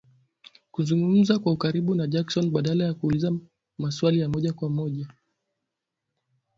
kuzungumza kwa ukaribu na Jackson badala ya kuuliza maswali ya moja kwa moja